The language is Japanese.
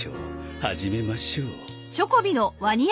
始めましょう。